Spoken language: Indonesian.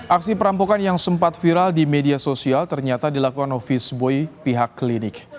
aksi perampokan yang sempat viral di media sosial ternyata dilakukan office boy pihak klinik